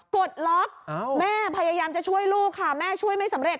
กดล็อกแม่พยายามจะช่วยลูกค่ะแม่ช่วยไม่สำเร็จ